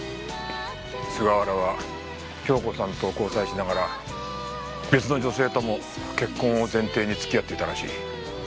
菅原は京子さんと交際しながら別の女性とも結婚を前提に付き合っていたらしい。